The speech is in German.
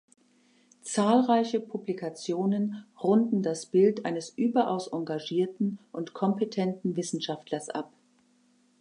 Zahlreiche Publikationen runden das Bild eines überaus engagierten und kompetenten Wissenschaftlers ab.